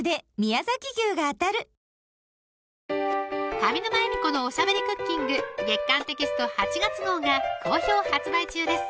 上沼恵美子のおしゃべりクッキング月刊テキスト８月号が好評発売中です